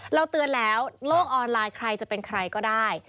เตือนแล้วโลกออนไลน์ใครจะเป็นใครก็ได้